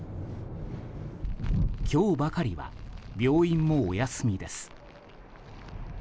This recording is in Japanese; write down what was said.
今日ばかりは病院もお休みです。